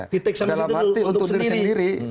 titik sama satu itu untuk sendiri